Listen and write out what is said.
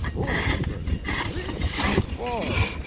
"Two hundred." "Three!" "Four!"